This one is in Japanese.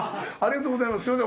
ありがとうございます。